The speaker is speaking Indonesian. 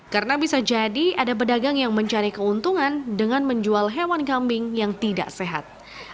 karena bisa jadi ada pedagang yang mencari keuntungan dengan menjual hewan kambing yang tidak sehat